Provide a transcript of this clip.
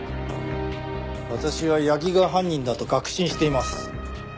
私は八木が犯人だと確信しています。